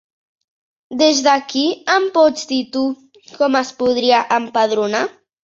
Des d'aquí em pots dir tu com es podria empadronar?